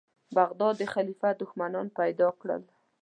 بغداد د خلیفه دښمنان پیدا کړل.